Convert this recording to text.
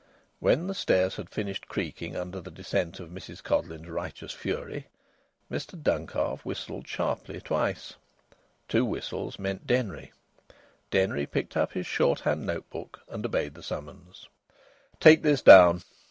When the stairs had finished creaking under the descent of Mrs Codleyn's righteous fury, Mr Duncalf whistled sharply twice. Two whistles meant Denry. Denry picked up his shorthand note book and obeyed the summons. "Take this down!"